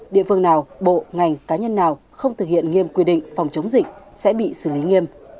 địa phương nào bộ ngành cá nhân nào không thực hiện nghiêm quy định phòng chống dịch sẽ bị xử lý nghiêm